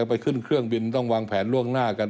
ไปขึ้นเครื่องบินต้องวางแผนล่วงหน้ากัน